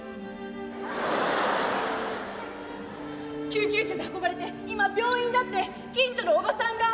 「救急車で運ばれて今病院だって近所のおばさんが」。